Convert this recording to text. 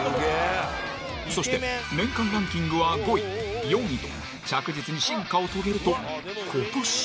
そして年間ランキングは５位、４位と着実に進化を遂げると、今年。